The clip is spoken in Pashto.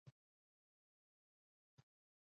څنګه کولی شم د میډجورني کار واخلم